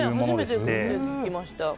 初めて聞きました。